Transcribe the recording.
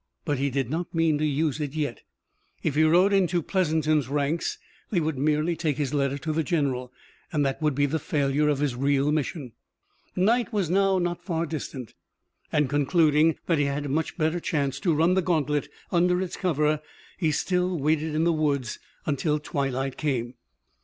But he did not mean to use it yet. If he rode into Pleasanton's ranks they would merely take his letter to the general, and that would be the failure of his real mission. Night was now not far distant, and, concluding that he had a much better chance to run the gantlet under its cover, he still waited in the wood until the twilight came.